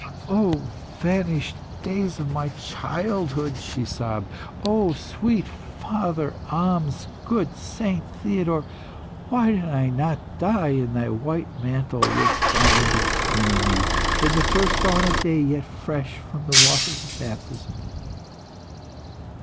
"O vanished days of my childhood!" she sobbed. "O sweet father Ahmes! good Saint Theodore, why did I not die in thy white mantle whilst thou didst bear me, in the first dawn of day, yet fresh from the waters of baptism!"